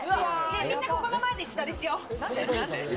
みんな、この前で自撮りしよう。